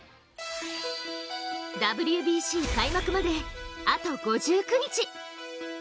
ＷＢＣ開幕まで、あと５９日。